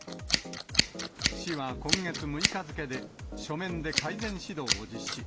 市は、今月６日付で、書面で改善指導を実施。